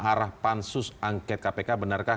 arah pansus angket kpk benarkah